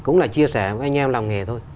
cũng là chia sẻ với anh em làm nghề thôi